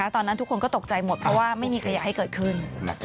ตอนนั้นทุกคนก็ตกใจหมดเพราะว่าไม่มีขยะให้เกิดขึ้น